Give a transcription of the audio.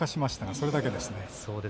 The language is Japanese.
それだけです。